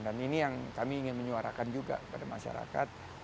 dan ini yang kami ingin menyuarakan juga kepada masyarakat